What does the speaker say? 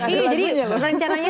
iya jadi rencananya